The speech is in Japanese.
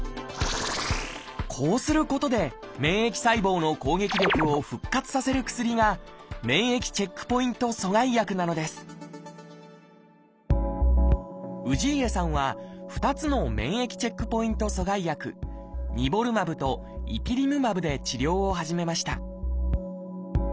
こうすることで免疫細胞の攻撃力を復活させる薬が免疫チェックポイント阻害薬なのです氏家さんは２つの免疫チェックポイント阻害薬「ニボルマブ」と「イピリムマブ」で治療を始めました